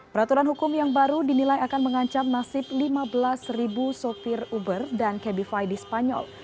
peraturan hukum yang baru dinilai akan mengancam nasib lima belas ribu sopir uber dan cabifi di spanyol